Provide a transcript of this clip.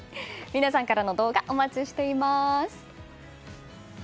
皆さんからの動画お待ちしています。